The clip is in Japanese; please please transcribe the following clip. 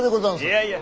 いやいや。